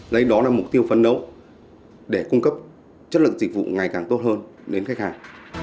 đấy đó là mục tiêu phấn đấu để cung cấp chất lượng dịch vụ ngày càng tốt hơn đến khách hàng